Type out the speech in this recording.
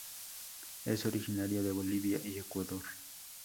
Es originaria de Bolivia y Ecuador.